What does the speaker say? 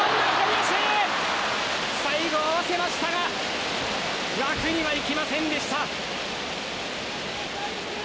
最後合わせましたが枠にはいきませんでした。